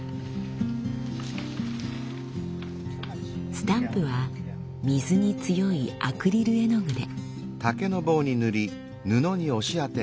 スタンプは水に強いアクリル絵の具で。